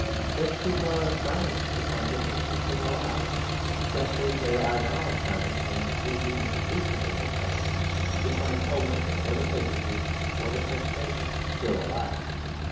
Such people are astonished to find an ancient thing alive, just as they are now astonished, and will be increasingly astonished, to find Poland or the Papacy or the French nation still alive.